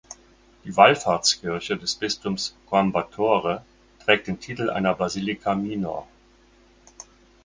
Die Wallfahrtskirche des Bistums Coimbatore trägt den Titel einer Basilica minor.